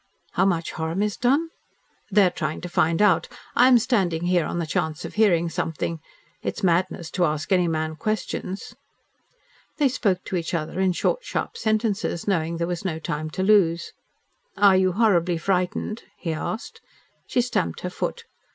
"How much harm is done?" "They are trying to find out. I am standing here on the chance of hearing something. It is madness to ask any man questions." They spoke to each other in short, sharp sentences, knowing there was no time to lose. "Are you horribly frightened?" he asked. She stamped her foot.